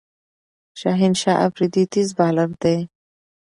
شاهین شاه آفريدي تېز بالر دئ.